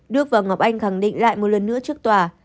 đức và ngọc anh khẳng định lại một lần nữa trước tòa